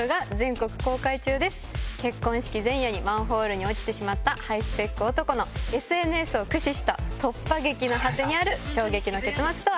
結婚式前夜にマンホールに落ちてしまったハイスペック男のＳＮＳを駆使した突破劇の果てにある衝撃の結末とは⁉